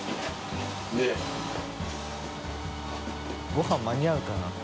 ごはん間に合うかな？